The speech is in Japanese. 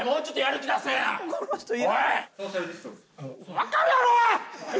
わかるやろ！